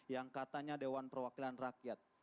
yang katanya dewan perwakilan rakyat